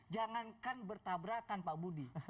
jangankan bertabrakan pak budi